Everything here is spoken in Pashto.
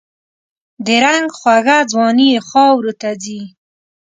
د رنګ خوږه ځواني یې خاوروته ځي